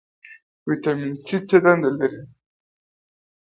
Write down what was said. ویټامین سي څه دنده لري؟